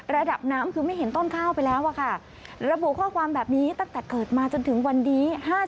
ระดับน้ำคือไม่เห็นต้นข้าวไปแล้วอะค่ะระบุข้อความแบบนี้ตั้งแต่เกิดมาจนถึงวันนี้